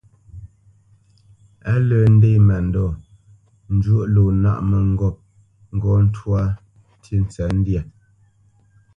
A tə́ ndě mándɔ njwóʼ lo nâʼ mə̂ŋgôp ŋgɔ́ ntwá ntí ntsəndyâ.